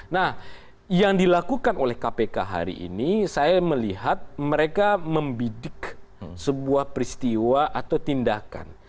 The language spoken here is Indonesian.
nah yang dilakukan oleh kpk hari ini saya melihat mereka membidik sebuah peristiwa atau tindakan